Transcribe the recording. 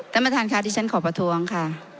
ท่านประธานค่ะที่ฉันขอประท้วงค่ะ